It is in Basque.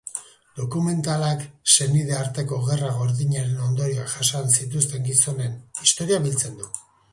Dokumentalak, senide arteko gerra gordinaren ondorioak jasan zituzten gizonen historia biltzen du.